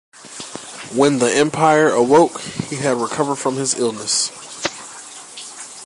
When the emperor awoke, he had recovered from his illness.